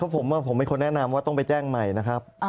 ผมเป็นคนแนะนำว่าต้องไปแจ้งใหม่นะครับ